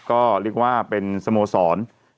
ก็เรียกว่าเป็นสโมสร